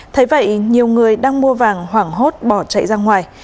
thế vậy nhiều người đang mua vàng hoảng hốt bỏ chạy ra ngoài